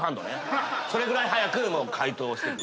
それぐらい速く解答をしてく。